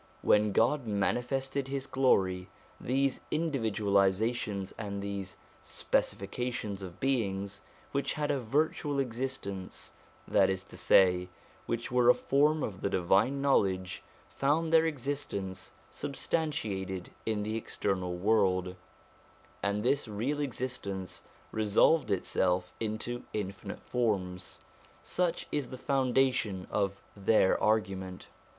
When God manifested His glory, these individualisations and these specifications of beings which had a virtual existence, that is to say, which were a form of the Divine Knowledge, found their existence substantiated in the external world ; and this Real Existence resolved Itself into infinite forms. Such is the foundation of their argument.